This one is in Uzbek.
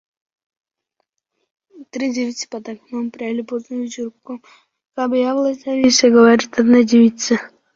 Albatta, savollaringiz uchun javob kerak bo’lganda Google orqali qidirishingiz maqsadga muvofiq